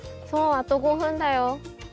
あと５分だよ！